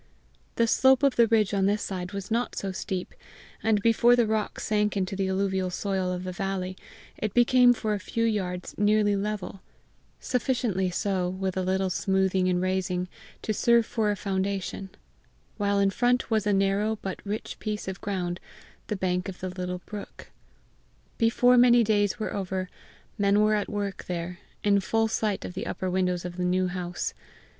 The slope of the ridge on this side was not so steep, and before the rock sank into the alluvial soil of the valley, it became for a few yards nearly level sufficiently so, with a little smoothing and raising, to serve for a foundation; while in front was a narrow but rich piece of ground, the bank of the little brook. Before many days were over, men were at work there, in full sight of the upper windows of the New House.